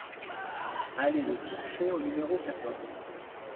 Allée de Courchet au numéro quatorze